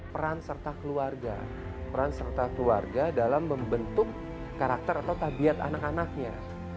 peran serta keluarga dalam membentuk karakter atau tabiat anak anaknya